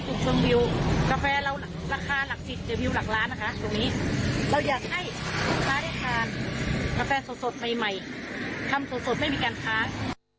ทำสดไม่มีการค้าง